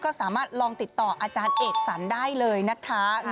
ก็สามารถลองติดต่ออาจารย์เอกสรรได้เลยนะคะ